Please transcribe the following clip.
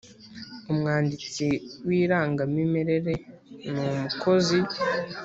Umwanditsi w Irangamimerere ni umukozi